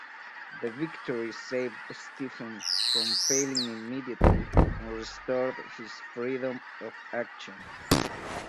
The victory saved Stephen from failing immediately and restored his freedom of action.